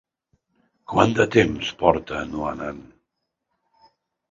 Quant de temps porta no anant?